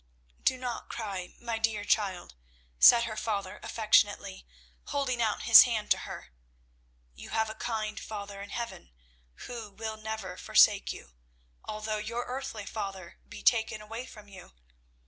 "Do not cry, my dear child," said her father affectionately, holding out his hand to her. "You have a kind Father in heaven who will never forsake you, although your earthly father be taken away from you.